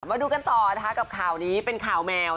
มาดูกันต่อนะคะกับข่าวนี้เป็นข่าวแมว